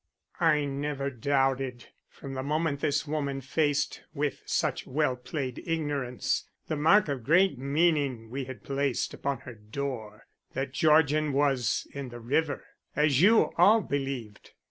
I never doubted from the moment this woman faced with such well played ignorance the mark of great meaning we had placed upon her door, that Georgian was in the river, as you all believed.